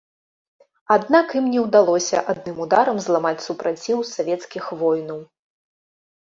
Аднак ім не ўдалося адным ударам зламаць супраціў савецкіх воінаў.